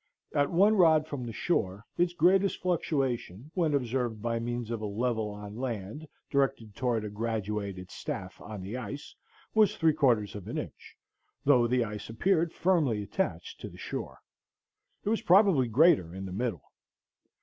At one rod from the shore its greatest fluctuation, when observed by means of a level on land directed toward a graduated staff on the ice, was three quarters of an inch, though the ice appeared firmly attached to the shore. It was probably greater in the middle.